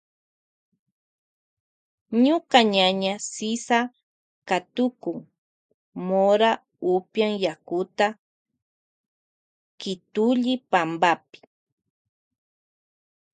Ñuka ñaña Sisa katukun mora upyan yakuta kitulli pampapi.